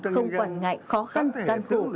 không quản ngại khó khăn gian khu